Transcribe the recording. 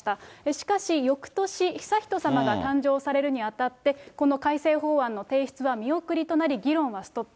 しかし、よくとし、悠仁さまが誕生されるにあたって、この改正法案の提出は見送りとなり、議論はストップ。